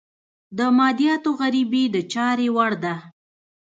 د مادیاتو غريبي د چارې وړ ده.